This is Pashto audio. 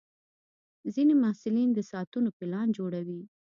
ځینې محصلین د ساعتونو پلان جوړوي.